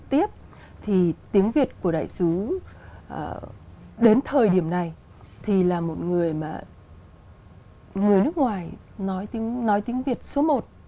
thì tiếng việt của đại sứ đến thời điểm này thì là một người mà người nước ngoài nói tiếng việt số